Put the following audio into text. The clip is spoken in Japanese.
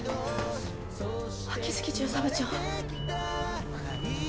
秋月巡査部長。